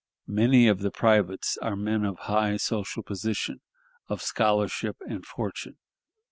Many of the privates are men of high social position, of scholarship and fortune.